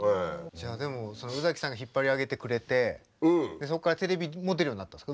じゃあでもその宇崎さんが引っ張り上げてくれてそこからテレビも出るようになったんですか？